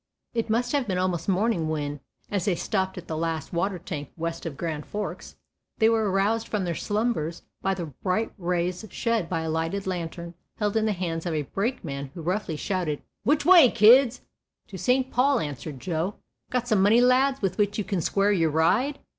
It must have been almost morning when, as they stopped at the last water tank west of Grand Forks, they were aroused from their slumbers by the bright rays shed by a lighted lantern held in the hands of a brakeman who roughly shouted: "Which way, kids?" "To Saint Paul," answered Joe. "Got some money, lads, with which you can square your ride?"